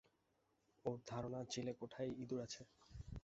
ওর ধারণা চিলেকোঠায় ইঁদুর আছে।